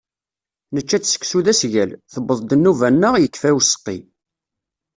Nečča-d seksu d asgal. Tewweḍ-d nnuba-nneɣ, yekfa useqqi.